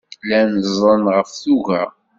Llan ẓẓlen ɣef tuga.